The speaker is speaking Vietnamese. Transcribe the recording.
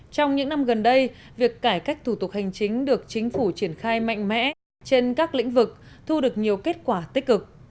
trong những năm gần đây việc cải cách thủ tục hành chính được chính phủ triển khai mạnh mẽ trên các lĩnh vực thu được nhiều kết quả tích cực